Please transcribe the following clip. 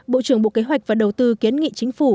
bộ trưởng bộ kế hoạch và đầu tư kiến nghị chính phủ